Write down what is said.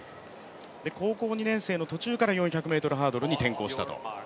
高校２年生の途中から４００ｍハードルの転向したと。